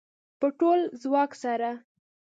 په ټول ځواک سره